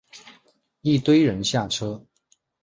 一堆人下车